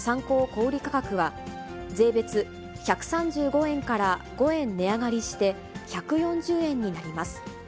小売り価格は税別１３５円から５円値上がりして、１４０円になります。